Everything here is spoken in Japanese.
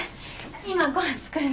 今ごはん作るね。